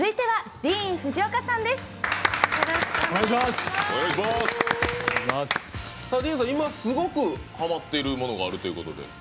ＤＥＡＮさん、今すごくハマっていることがあるということで。